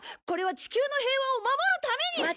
これは地球の平和を守るために。